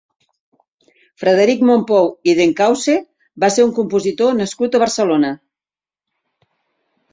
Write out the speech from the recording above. Frederic Mompou i Dencausse va ser un compositor nascut a Barcelona.